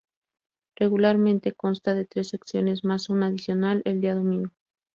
Regularmente consta de tres secciones, más una adicional el día domingo.